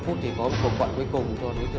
hoặc nợ nần về kinh tế